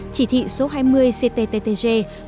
chỉ thị số hai mươi ctttg